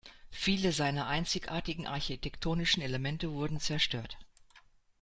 Viele seiner einzigartigen architektonischen Elemente wurden zerstört.